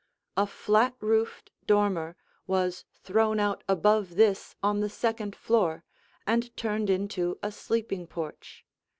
A flat roofed dormer was thrown out above this on the second floor and turned into a sleeping porch.